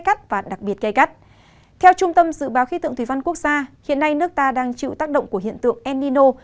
khi tượng thủy văn quốc gia hiện nay nước ta đang chịu tác động của hiện tượng el nino